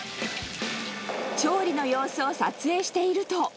調理の様子を撮影していると。